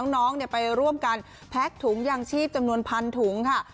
น้องไปร่วมกันแพ็กถุงยางชีพจำนวนพันถุงค่ะ